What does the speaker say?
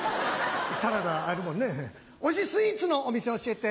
サラダあるもんねおいしいスイーツのお店教えて。